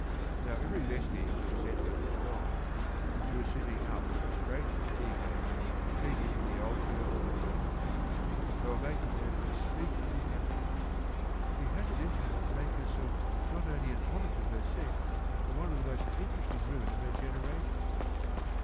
Now every vestige of sentiment was gone, and she was sitting up straight and eager, repeating the old Colonel's words. They were making her unspeakably happy. "She has it in her to make herself not only an honor to her sex, but one of the most interesting women of her generation."